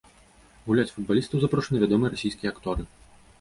Гуляць футбалістаў запрошаныя вядомыя расійскія акторы.